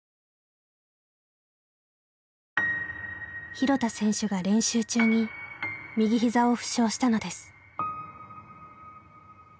廣田選手が練習中に右ひざを負傷したのです。